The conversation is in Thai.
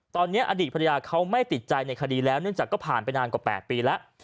ตอนนี้อดีตภรรยาเขาไม่ติดใจในคดีแล้วเนื่องจากก็ผ่านไปนานกว่า๘ปีแล้ว